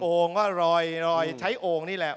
โอ่งว่ารอยใช้โอ่งนี่แหละ